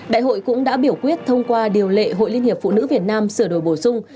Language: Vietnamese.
đại hội cũng đã biểu quyết thông qua điều lệ hội liên hiệp phụ nữ việt nam sửa đổi bổ sung